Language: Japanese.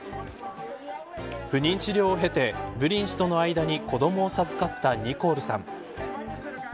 不妊治療を経てブリン氏との間に子どもを授かったニコールさん。